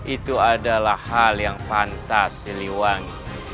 itu adalah hal yang pantas siliwangi